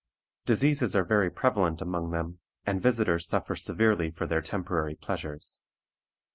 Diseases are very prevalent among them, and visitors suffer severely for their temporary pleasures.